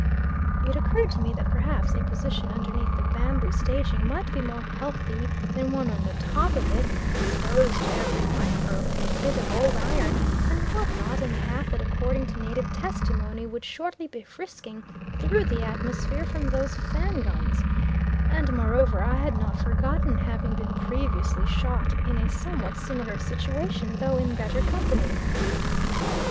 It occurred to me that perhaps a position underneath the bamboo staging might be more healthy than one on the top of it, exposed to every microbe of a bit of old iron and what not and a half that according to native testimony would shortly be frisking through the atmosphere from those Fan guns; and moreover I had not forgotten having been previously shot in a somewhat similar situation, though in better company.